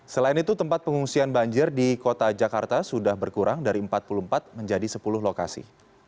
selain itu tempat pengungsian banjir di kota jakarta sudah berkurang dari empat puluh empat menjadi sepuluh lokasi